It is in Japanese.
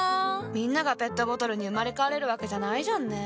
みんながペットボトルに生まれ変われるわけじゃないじゃんね。